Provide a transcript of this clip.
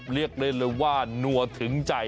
เรียกได้เลยว่านัวถึงใจ